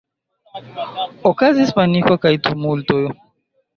Okazis paniko kaj tumulto.